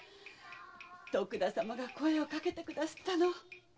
徳田様が声をかけてくださったの。